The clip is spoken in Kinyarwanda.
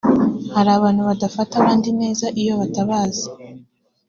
Hari abantu badafata abandi neza iyo batabazi